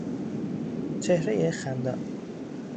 چهرهی خندان